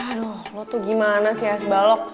aduh lo tuh gimana sih es balok